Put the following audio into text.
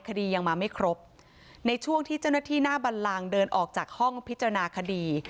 ยังมาไม่ครบในช่วงที่เจ้าหน้าที่หน้าบันลังเดินออกจากห้องพิจารณาคดี